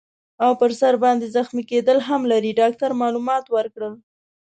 او پر سر باندي زخمي کیدل هم لري. ډاکټر معلومات ورکړل.